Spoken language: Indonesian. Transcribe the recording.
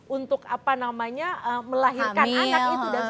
untuk apa namanya melahirkan anak itu